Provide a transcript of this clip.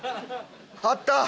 あった！